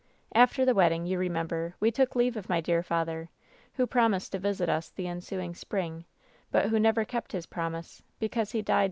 "After the wedding, you remember, we took leave of '^*^ my dear father, who promised to visit us the ensuing ^ spring, but who never kept his promise, because he died ^